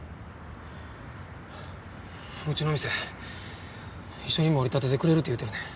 うちの店一緒に盛り立ててくれるって言うてんねん。